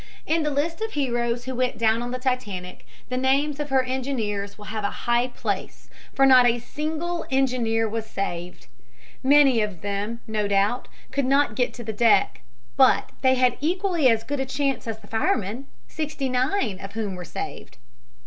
In the list of heroes who went down on the Titanic the names of her engineers will have a high place, for not a single engineer was saved. Many of them, no doubt, could not get to the deck, but they had equally as good a chance as the firemen, sixty nine of whom were saved.